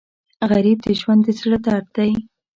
غریب د ژوند د زړه درد دی